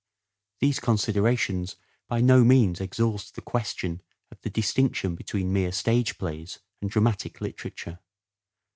These considerations by no means exhaust the question of the distinction between mere "stage plays and dramatic literature.